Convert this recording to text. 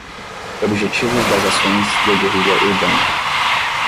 Objetivos das Ações de Guerrilha Urbana